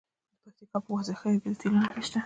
د پکتیکا په وازیخوا کې د تیلو نښې شته.